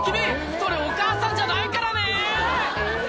それお母さんじゃないからね！